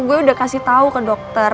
gue udah kasih tau ke dokter